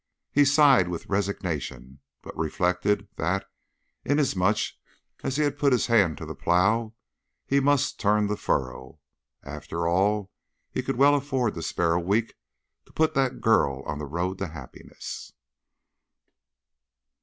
He sighed with resignation, but reflected that, inasmuch as he had put his hand to the plow, he must turn the furrow. After all, he could well afford to spare a week to put that girl on the road to happiness.